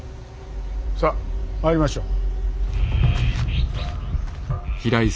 さあ参りましょう。